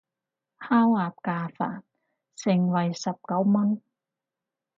烤鴨架飯，盛惠十九文